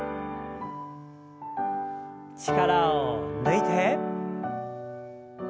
力を抜いて。